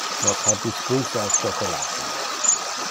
Nos ha biscuits al chocolate.